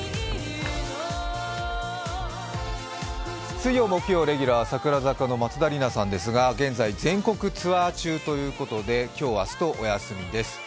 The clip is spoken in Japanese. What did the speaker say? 水曜木曜レギュラー櫻坂の松田里奈さんですが現在、全国ツアー中ということで今日、明日とお休みです。